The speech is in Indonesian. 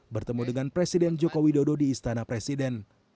bertemu dengan presiden joko widodo di istana presiden